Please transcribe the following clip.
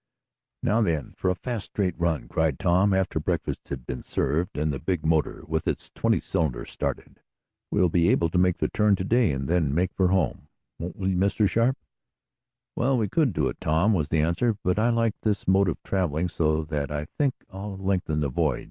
"Now then for a fast, straight run!" cried Tom, after breakfast had been served, and the big motor, with its twenty cylinders, started. "We'll be able to make the turn to day, and then make for home, won't we, Mr. Sharp?" "Well, we could do it, Tom," was the answer, "but I like this mode of traveling so that I think I'll lengthen the voyage.